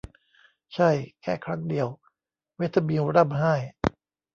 ใช่ แค่ครั้งเดียว เวเธอมิลล์ร่ำไห้